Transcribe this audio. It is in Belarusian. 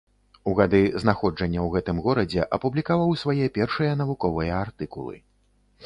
У гады знаходжання ў гэтым горадзе апублікаваў свае першыя навуковыя артыкулы.